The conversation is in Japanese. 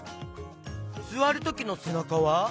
すわるときのせなかは？